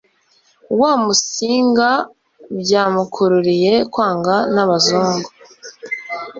wa musinga byamukururiye kwangwa nabazugu